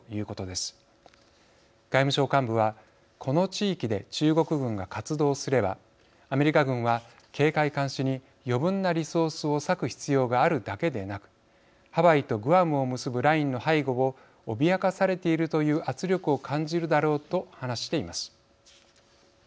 外務省幹部はこの地域で中国軍が活動すればアメリカ軍は警戒監視に余分なリソースを割く必要があるだけでなくハワイとグアムを結ぶラインの背後を脅かされているという圧力を感じるだろうと話しています。